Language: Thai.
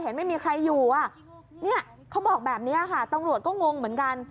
ไม่มีใครอยู่อ่ะเนี่ยเขาบอกแบบนี้ค่ะตำรวจก็งงเหมือนกัน